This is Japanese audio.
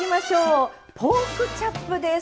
ポークチャップです。